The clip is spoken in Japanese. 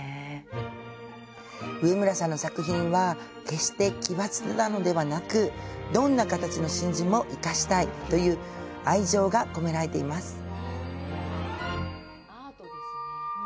上村さんの作品は決して奇抜なのではなく、「どんな形の真珠も生かしたい」という愛情が込められています。